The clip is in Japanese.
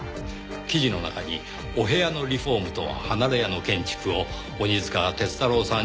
記事の中にお部屋のリフォームと離れ家の建築を鬼束鐵太郎さん